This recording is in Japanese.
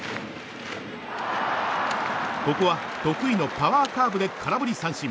ここは得意のパワーカーブで空振り三振。